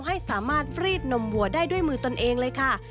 ให้สามารถฟรีดนมวัวได้ด้วยมือตนเองเลยค่ะ